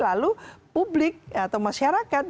lalu publik atau masyarakat